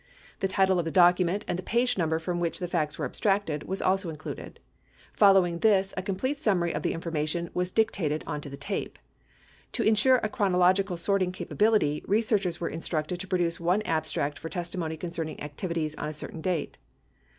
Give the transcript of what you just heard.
The title of the document and the page number from which the facts were abstracted were also included. Following this, a complete summary of the information was dictated onto the tape. To insure a chronological sorting capability, researchers were instructed to produce one abstract for testimony concerning activities on a certain date.